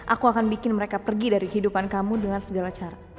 aku akan bikin mereka pergi dari kehidupan kamu dengan segala cara